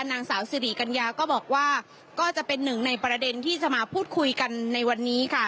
นางสาวสิริกัญญาก็บอกว่าก็จะเป็นหนึ่งในประเด็นที่จะมาพูดคุยกันในวันนี้ค่ะ